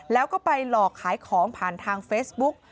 แล้วก็ไปหลอกขายของผ่านทางเฟซบุ๊ก